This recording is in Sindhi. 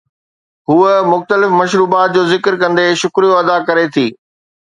هوءَ مختلف مشروبات جو ذڪر ڪندي شڪريو ادا ڪري ٿي